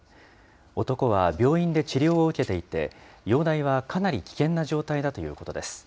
男は病院で治療を受けていて、容体はかなり危険な状態だということです。